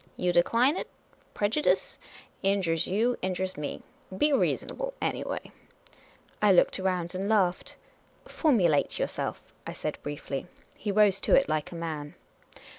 You decline it? Prejudice! Injures you; in jures me ! Be reasonable anj'way !" I looked around and laughed. " Formulate yourself, " I said, briefly. He rose to it like a man.